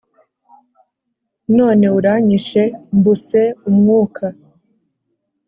none uranyishe mbuse umwuka